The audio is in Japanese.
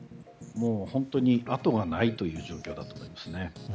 本当に、あとがないという状況だと思います。